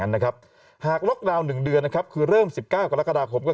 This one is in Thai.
นะครับหากล็อกดาวน์๑เดือนนะครับคือเริ่ม๑๙กรกฎาคมก็